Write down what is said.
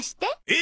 え？